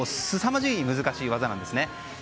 すさまじく難しい技なんです。